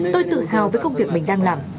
tôi tự hào với công việc mình đang làm